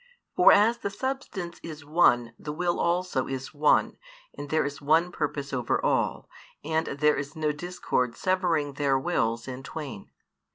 For as the Substance is one the Will also is one, and there is one purpose over all, and there is no discord severing Their Wills in twain.